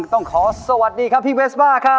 ต้องขอสวัสดีค่ะพี่เวสบ้าค่ะ